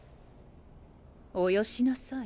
およしなさい。